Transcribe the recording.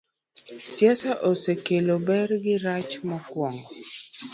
Siasa osekelo ber gi rach: Mokwongo,